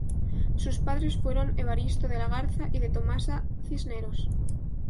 Sus padres fueron Evaristo de la Garza y de Tomasa Cisneros.